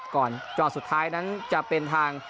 จอดสุดท้ายนั้นจะเป็นทาง